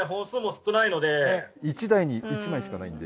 １台に１枚しかないので。